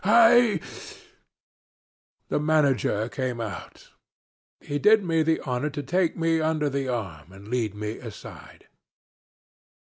I ...' "The manager came out. He did me the honor to take me under the arm and lead me aside.